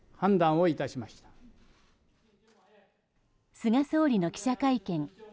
菅総理の記者会見。